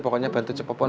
pokoknya bantu cepopon